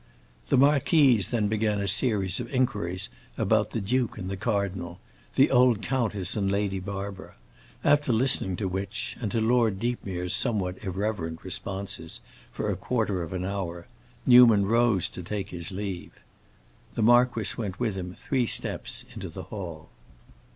The marquise then began a series of inquiries about the duke and the cardinal, the old countess and Lady Barbara, after listening to which, and to Lord Deepmere's somewhat irreverent responses, for a quarter of an hour, Newman rose to take his leave. The marquis went with him three steps into the hall.